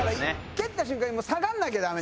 蹴った瞬間に下がらなきゃダメ。